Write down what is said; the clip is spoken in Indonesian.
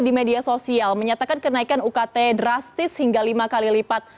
di media sosial menyatakan kenaikan ukt drastis hingga lima kali lipat